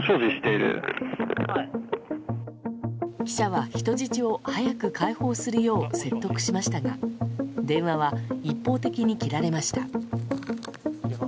記者は人質を早く解放するよう説得しましたが電話は一方的に切られました。